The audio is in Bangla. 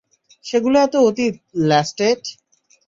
সেগুলো এখন অতীত, ল্যাস্টেট!